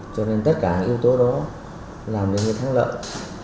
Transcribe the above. cho nên tất cả yếu tố đó làm em thắng lợi như mọi người đã biết